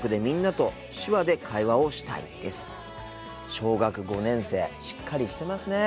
小学５年生しっかりしてますね。